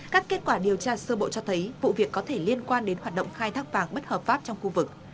các kết quả điều tra sơ bộ cho thấy vụ việc có thể liên quan đến hoạt động khai thác vàng bất hợp pháp trong khu vực